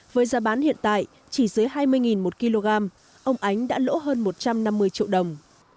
với giá bán hiện tại chỉ dưới hai mươi một kg ông ánh đã lỗ hơn một trăm năm mươi triệu đồng